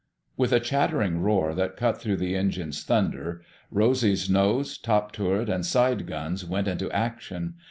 With a chattering roar that cut through the engines' thunder, Rosy's nose, top turret, and side guns went into action.